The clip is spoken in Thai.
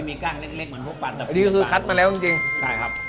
มีกล้างเล็กเล็กเหมือนพวกปันแต่อันนี้ก็คือคัดมาแล้วจริงจริงใช่ครับ